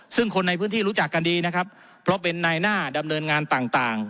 ซึ่งคนในพื้นที่รู้จักกันดีนะครับเพราะเป็นนายหน้าดำเนินงานต่าง